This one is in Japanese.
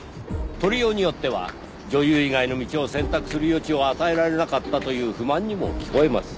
取りようによっては女優以外の道を選択する余地を与えられなかったという不満にも聞こえます。